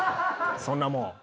そんなもん。